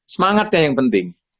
semangat yang penting